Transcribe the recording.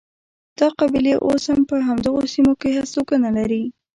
دا قبیلې اوس هم په همدغو سیمو کې هستوګنه لري.